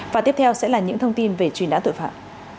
và tiếp theo sẽ là những thông tin về truy nã tội phạm